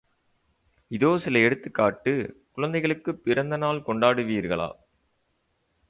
இதோ சில எடுத்துக்கட்டு குழந்தைகளுக்குப் பிறந்தநாள் கொண்டாடுவீர்களா?